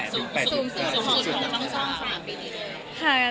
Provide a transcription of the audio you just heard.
สูงสุดของช่องสาม